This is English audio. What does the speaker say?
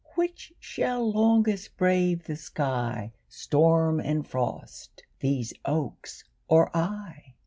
Which shall longest brave the sky, Storm and frost these oaks or I?